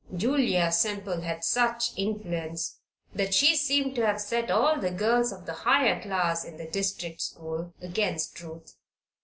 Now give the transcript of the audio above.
Julia Semple had such influence that she seemed to have set all the girls of the higher class in the district school against Ruth.